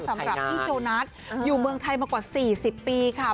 สำหรับพี่โจนัสอยู่เมืองไทยมากว่า๔๐ปีค่ะ